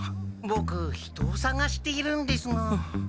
ボク人をさがしているんですが。